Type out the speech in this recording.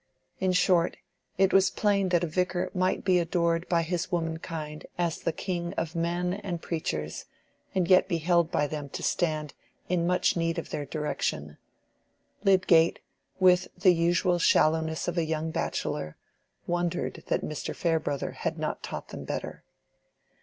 In short, it was plain that a vicar might be adored by his womankind as the king of men and preachers, and yet be held by them to stand in much need of their direction. Lydgate, with the usual shallowness of a young bachelor, wondered that Mr. Farebrother had not taught them better.